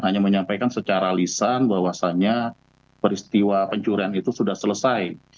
hanya menyampaikan secara lisan bahwasannya peristiwa pencurian itu sudah selesai